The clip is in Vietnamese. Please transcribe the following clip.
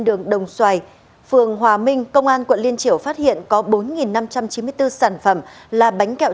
đường đồng xoài phường hòa minh công an quận liên triểu phát hiện có bốn năm trăm chín mươi bốn sản phẩm là bánh kẹo